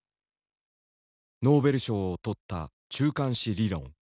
ノーベル賞をとった中間子理論。